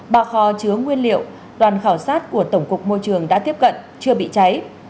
ba kho chứa nguyên liệu đoàn khảo sát của tổng cục môi trường đã tiếp cận chưa bị cháy